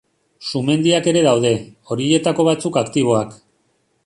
Sumendiak ere daude, horietako batzuk aktiboak.